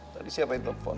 tadi siapa yang telfon